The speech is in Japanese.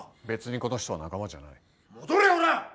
別にこの人は仲間じゃない。